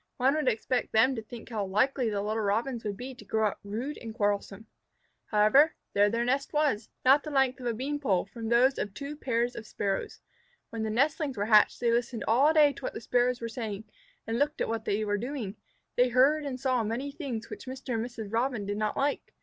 One would expect them to think how likely the little Robins would be to grow up rude and quarrelsome. However, there their nest was, not the length of a beanpole from those of two pairs of Sparrows. When the nestlings were hatched, they listened all day to what the Sparrows were saying and looked at what they were doing. They heard and saw many things which Mr. and Mrs. Robin did not like.